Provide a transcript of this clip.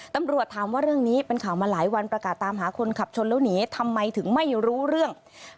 ตำรวจถามว่าเรื่องนี้เป็นข่าวมาหลายวันประกาศตามหาคนขับชนแล้วหนีทำไมถึงไม่รู้เรื่อง